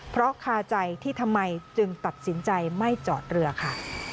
เพราะคาใจที่ทำไมจึงตัดสินใจไม่จอดเรือค่ะ